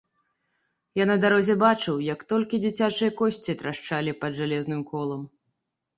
Я на дарозе бачыў, як толькі дзіцячыя косці трашчалі пад жалезным колам.